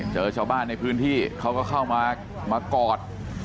เจอชาวบ้านในพื้นที่เขาก็เข้ามามากอด